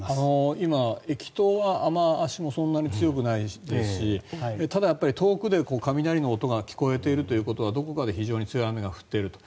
今、駅頭は雨脚もそんなに強くないですしただ、やっぱり遠くで雷の音が聞こえているということはどこかで非常に強い雨が降っていると。